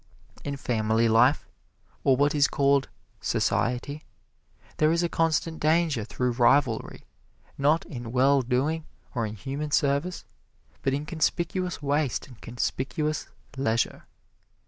In family life, or what is called "Society," there is a constant danger through rivalry, not in well doing or in human service, but in conspicuous waste and conspicuous leisure.